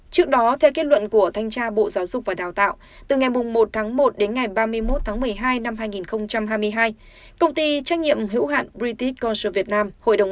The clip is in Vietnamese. trước đó theo kết luận của thanh tra bộ giáo dục và đào tạo từ ngày một một đến ngày ba mươi một một mươi hai hai nghìn hai mươi hai công ty trách nhiệm hiếu hoạn british cultural vietnam